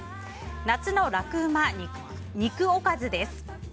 夏のラクうま肉おかずです。